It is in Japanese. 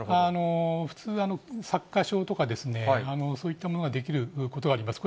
普通、擦過傷とか、そういったものができることがあります。